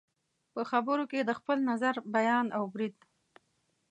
په خبرو کې د خپل نظر بیان او برید